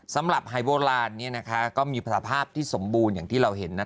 สำหรับหายโบราณเนี้ยนะคะก็มีปรภาพที่สมบูรณ์อย่างที่เราเห็นนะ